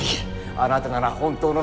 あなたなら本当の戦況を。